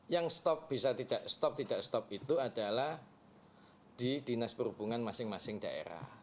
yang stop bisa tidak stop tidak stop itu adalah di dinas perhubungan masing masing daerah